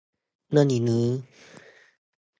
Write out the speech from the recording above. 反人類罪行